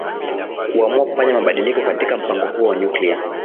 kuamua kufanya mabadiliko katika mpango huo wa nyuklia